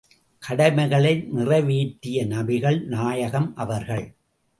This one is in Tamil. கடமைகளை நிறைவேற்றிய நபிகள் நாயகம் அவர்கள்!